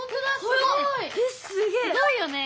すごいよね！